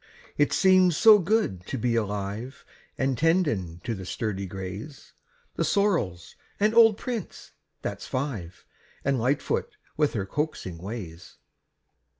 It seems so good to be alive, An' tendin' to the sturdy grays, The sorrels, and old Prince, that's five An' Lightfoot with her coaxing ways.